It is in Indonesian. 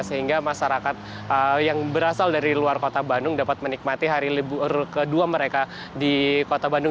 sehingga masyarakat yang berasal dari luar kota bandung dapat menikmati hari libur kedua mereka di kota bandung